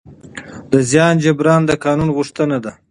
د زیان جبران د قانون غوښتنه ده.